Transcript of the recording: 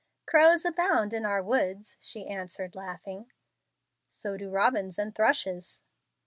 "Crows abound in our woods," she answered, laughing. "So do robins and thrushes."